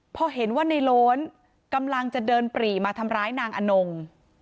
พอเห็นว่าในโล้นกำลังจะเดินปรีมาทำร้ายนางอนง